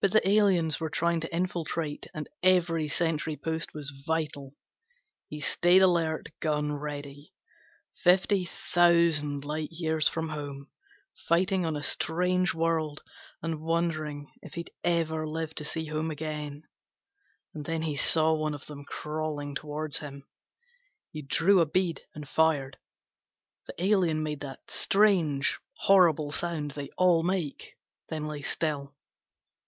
But the aliens were trying to infiltrate and every sentry post was vital. He stayed alert, gun ready. Fifty thousand light years from home, fighting on a strange world and wondering if he'd ever live to see home again. And then he saw one of them crawling toward him. He drew a bead and fired. The alien made that strange horrible sound they all make, then lay still.